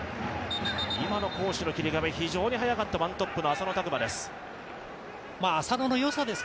今の攻守の切り替え非常に早かったワントップの浅野拓磨です。